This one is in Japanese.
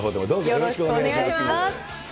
よろしくお願いします。